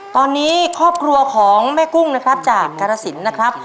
ตอนนี้ครอบครัวของแม่กุ้งนะครับจากกรสินนะครับ